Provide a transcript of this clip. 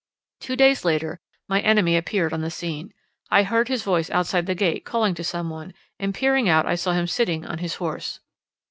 Two days later my enemy appeared on the scene. I heard his voice outside the gate calling to some one, and peering out I saw him sitting on his horse.